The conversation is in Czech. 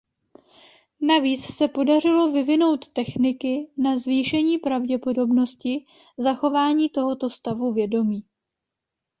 Navíc se podařilo vyvinout techniky na zvýšení pravděpodobnosti zachování tohoto stavu vědomí.